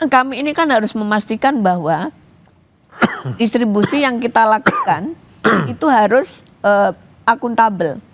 kami ini kan harus memastikan bahwa distribusi yang kita lakukan itu harus akuntabel